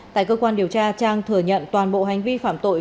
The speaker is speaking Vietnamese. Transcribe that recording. tại cơ quan điều tra trang thừa nhận toàn bộ hành vi phạm tội